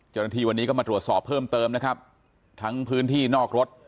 เจ้าหน้าที่วันนี้ก็มาตรวจสอบเพิ่มเติมนะครับทั้งพื้นที่นอกรถ